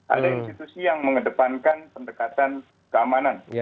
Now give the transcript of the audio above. ada institusi yang mengedepankan pendekatan keamanan